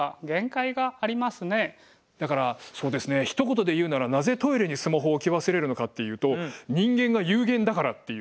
だからそうですねひと言で言うならなぜトイレにスマホを置き忘れるのかっていうと人間が有限だからっていう。